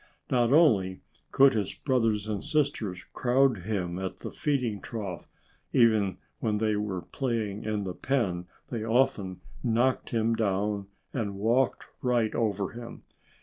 Not only could his brothers and sisters crowd him at the feeding trough. Even when they were playing in the pen they often knocked him down and walked right over him.